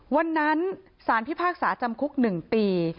วันนั้นสารพิพากษาจำคุก๑ปี